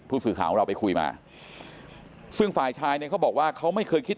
ผู้สื่อข่าวของเราไปคุยมาซึ่งฝ่ายชายเนี่ยเขาบอกว่าเขาไม่เคยคิด